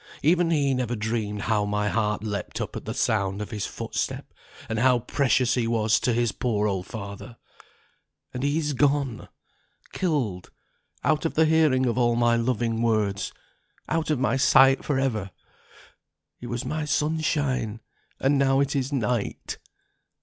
Even he never dreamed how my heart leapt up at the sound of his footstep, and how precious he was to his poor old father. And he is gone killed out of the hearing of all loving words out of my sight for ever. He was my sunshine, and now it is night!